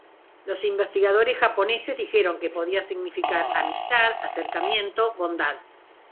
Los investigadores japoneses dijeron que podía significar amistad, acercamiento, bondad.